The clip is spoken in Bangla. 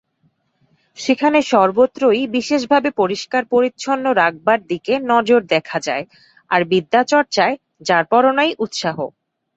সেখানে সর্বত্রই বিশেষভাবে পরিষ্কার-পরিচ্ছন্ন রাখবার দিকে নজর দেখা যায়, আর বিদ্যাচর্চায় যারপরনাই উৎসাহ।